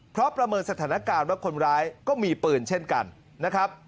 เพราะประเมินสถานการณ์ว่าคนร้ายก็มีปืนเช่นกันนะครับ